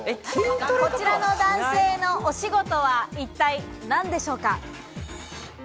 こちらの男性のお仕事は、一体何でしょうか？